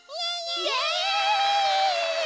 イエイ！